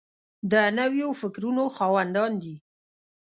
د نویو فکرونو خاوندان دي.